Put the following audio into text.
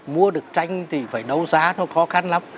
mua được tranh thì phải đấu giá nó khó khăn lắm